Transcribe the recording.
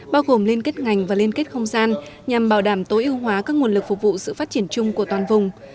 bao gồm liên kết ngành và liên kết không gian nhằm bảo đảm tối ưu hóa các nguồn lực phục vụ sự phát triển chung của toàn vùng